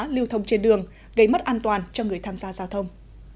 lưu thông trên đường gây mất an toàn cho người tham gia giao thông